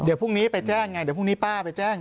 เดี๋ยวพรุ่งนี้ไปแจ้งไงเดี๋ยวพรุ่งนี้ป้าไปแจ้ง